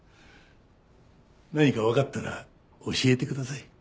何かわかったら教えてください。